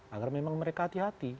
agar memang mereka hati hati